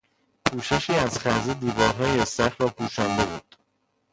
پوششی از خزه دیوارههای استخر را پوشانده بود.